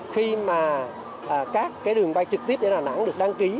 khi các đường bay trực tiếp đến đà nẵng được đăng ký